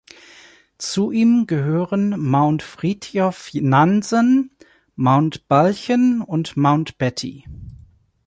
Zu ihm gehören Mount Fridtjof Nansen, Mount Balchen und Mount Betty.